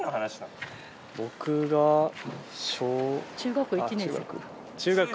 僕が小。